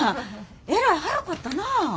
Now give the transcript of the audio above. えらい早かったな。